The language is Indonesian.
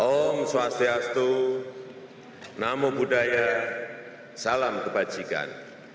om swastiastu namo buddhaya salam kebajikan